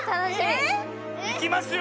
えぇ⁉いきますよ！